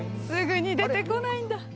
すぐに出てこないんだ。